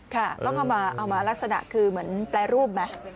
ค่ะต้องเอามาลักษณะคือเหมือนแปรรูปไหม